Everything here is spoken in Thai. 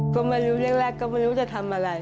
ก็ไม่รู้แรกก็ไม่รู้จะทำอะไร